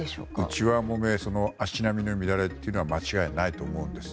内輪もめ足並みの乱れというのは間違いないと思うんです。